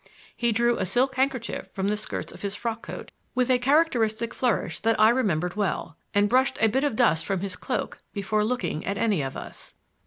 He drew a silk handkerchief from the skirts of his frock coat, with a characteristic flourish that I remembered well, and brushed a bit of dust from his cloak before looking at any of us.